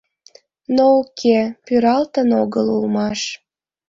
Но уке, пӱралтын огыл улмаш...